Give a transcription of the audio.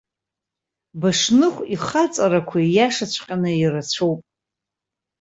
Башныхә ихаҵарақәа, ииашаҵәҟьаны, ирацәоуп.